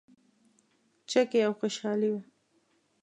چکې او خوشحالي وه.